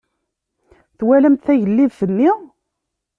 Twalamt tagellidt-nni?